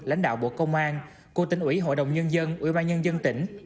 lãnh đạo bộ công an của tỉnh ủy hội đồng nhân dân ủy ban nhân dân tỉnh